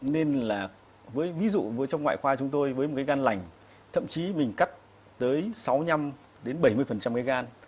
nên là ví dụ trong ngoại khoa chúng tôi với một cái gan lành thậm chí mình cắt tới sáu năm đến bảy mươi cái gan